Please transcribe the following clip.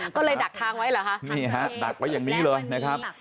ก็เลยดักทางไว้เหรอคะนี่ฮะดักไว้อย่างนี้เลยนะครับ